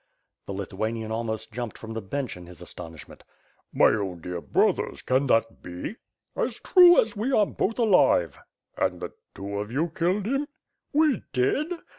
The Lithuanian almost jumped from the bench in his as tonishment. "My own dear brothers, can that be?" "As true as we are both alive." "And the two of you killed him?" "We did."